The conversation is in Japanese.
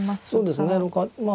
そうですね。